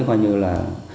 coi như là